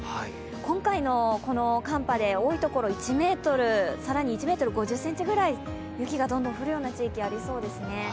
今回のこの寒波で多いところ１ｍ、更に１ｍ５９ｃｍぐらい雪がどんどん降るような地域ありそうですね。